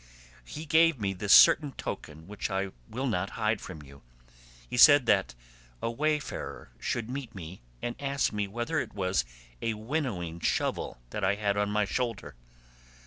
He gave me this certain token which I will not hide from you. He said that a wayfarer should meet me and ask me whether it was a winnowing shovel that I had on my shoulder.